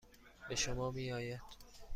به شما میآید.